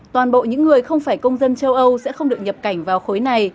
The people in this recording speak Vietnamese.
toàn bộ những người không phải công dân châu âu sẽ không được nhập cảnh vào khối này